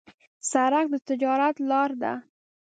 سړک د تجارت لار ده.